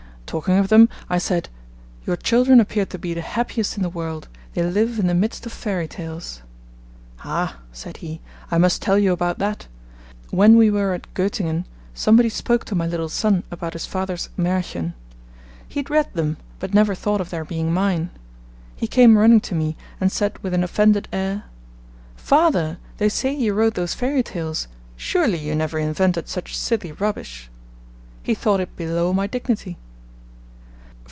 Talking of them, I said, 'Your children appear to be the happiest in the world; they live in the midst of fairytales.' 'Ah,' said he, 'I must tell you about that. When we were at Gottingen, somebody spoke to my little son about his father's Mahrchen. He had read them, but never thought of their being mine. He came running to me, and said with an offended air, "Father, they say you wrote those fairy tales; surely you never invented such silly rubbish?" He thought it below my dignity.'